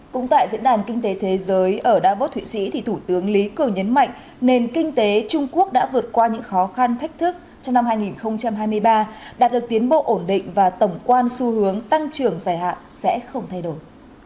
cũng tại diễn đàn kinh tế thế giới ở davos thụy sĩ thì thủ tướng lý cường nhấn mạnh nền kinh tế trung quốc đã vượt qua những khó khăn thách thức trong năm hai nghìn hai mươi ba đạt được tiến bộ ổn định và tổng quan xu hướng tăng trưởng dài hạn sẽ không thay đổi